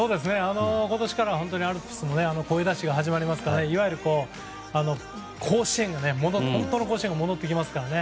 今年からはアルプスも声出しが始まりますからいわゆる本当の甲子園が戻ってきますからね。